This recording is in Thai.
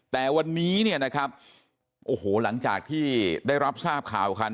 แต่วันนี้เนี่ยนะครับโอ้โหหลังจากที่ได้รับทราบข่าวกัน